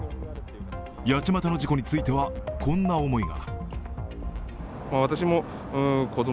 八街の事故については、こんな思いが。